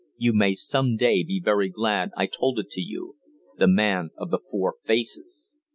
You may some day be very glad I told it to you the man of The Four Faces!"